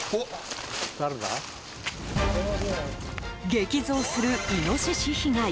激増するイノシシ被害。